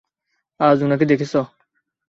আজ উনাকে দেখেছ?